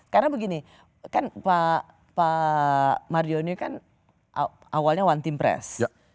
karena begini kan pak marjono kan awalnya one team press